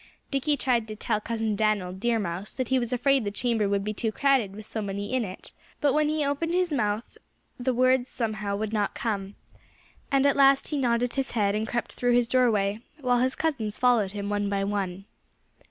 Dickie tried to tell Cousin Dan'l Deer Mouse that he was afraid the chamber would be too crowded with so many in it. But when he opened his mouth the words, somehow, would not come. And at last he nodded his head and crept through his doorway, while his cousins followed him one by one.